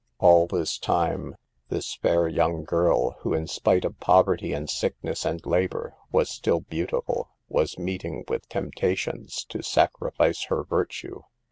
All this time this fair young girl who, in spite of poverty and sickness and labor, was still beautiful, was meeting with temptations to sacrifice her virtue.